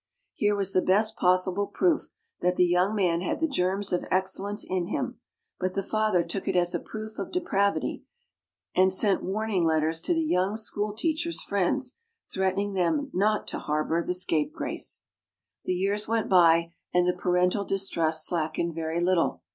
Here was the best possible proof that the young man had the germs of excellence in him; but the father took it as a proof of depravity, and sent warning letters to the young school teacher's friends threatening them "not to harbor the scapegrace." The years went by and the parental distrust slackened very little.